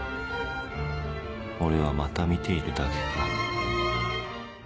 俺はまた見ているだけか